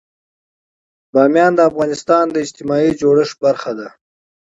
بامیان د افغانستان د اجتماعي جوړښت برخه ده.